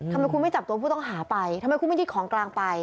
ทำไมคุณไม่จับตัวผู้ต้องหาไปทำไมคุณไม่ยึดของกลางไป